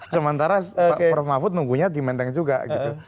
sementara pak prof mahfud nunggunya di menteng juga gitu